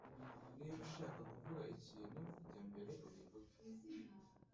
Niba ushaka kuvuga ikintu, jya imbere ubivuge.